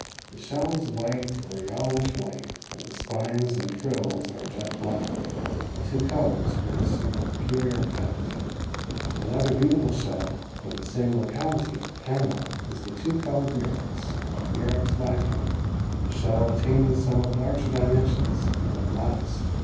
The shell is white or yellowish white and the spines and frills are jet black, the two colors producing a peculiar effect. Another beautiful shell from the same locality (Panama) is the Two colored Murex (Murex bicolor), a shell attaining somewhat larger dimensions than the last.